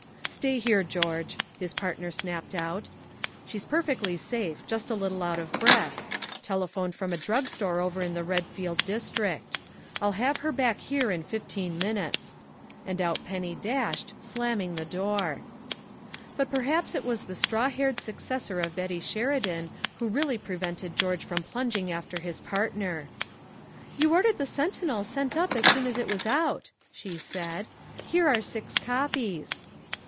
"Stay here, George," his partner snapped out "she's perfectly safe just a little out of breath telephoned from a drug store over in the Red field district. I'll have her back here in fifteen minutes." And out Penny dashed, slamming the door. But perhaps it was the straw haired successor of Betty Sheridan who really prevented George from plunging after his partner. "You ordered the Sentinel sent up as soon as it was out," she said. "Here are six copies."